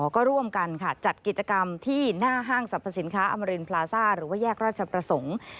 ก็ร่วมกันค่ะจัดกิจกรรมที่หน้าห้างสรรพสินค้าอมรินพลาซ่าหรือว่าแยกราชประสงค์